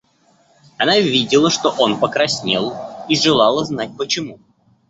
Она видела, что он покраснел, и желала знать, почему.